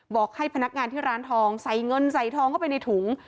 บอกให้พนักงานที่ร้านทองใส่เงินใส่ทองเข้าไปในถุง